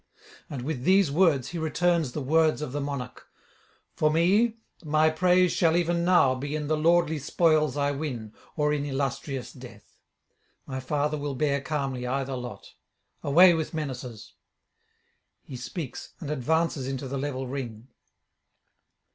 And with these words he returns the words of the monarch: 'For me, my praise shall even now be in the lordly spoils I win, or in illustrious death: my father will bear calmly either lot: away with menaces.' He speaks, and advances into the level ring.